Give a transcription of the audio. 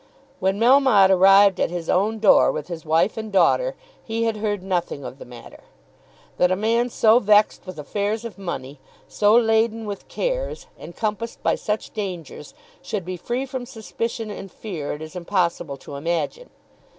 When Melmotte arrived at his own door with his wife and daughter he had heard nothing of the matter. That a man so vexed with affairs of money, so laden with cares, encompassed by such dangers, should be free from suspicion and fear it is impossible to imagine.